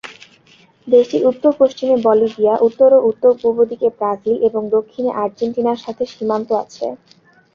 দেশটির উত্তর-পশ্চিমে বলিভিয়া, উত্তর ও উত্তর-পূর্ব দিকে ব্রাজিল এবং দক্ষিণে আর্জেন্টিনার সাথে সীমান্ত আছে।